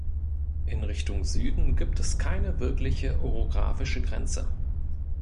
In Richtung Süden gibt es keine wirkliche orographische Grenze.